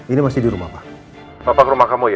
ini masih di rumah pak